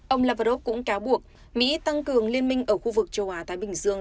ông lavrov cũng cáo buộc mỹ tăng cường liên minh ở khu vực châu á thái bình dương